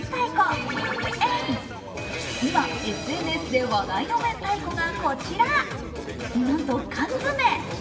今ＳＮＳで話題のめんたいこがこちら、なんと缶詰。